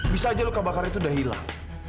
bisa saja luka bakar itu sudah hilang